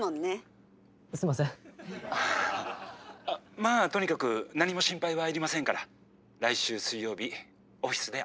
「まあとにかく何も心配は要りませんから来週水曜日オフィスで会いましょう」。